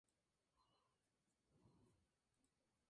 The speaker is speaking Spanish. Al lado de cada misión se fundaba un pueblo con los indios conversos.